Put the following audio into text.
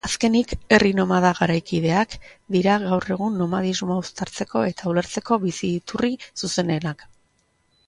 Azkenik, herri nomada garaikideak dira gaur egun nomadismoa aztertzeko eta ulertzeko bizi-iturri zuzenenak.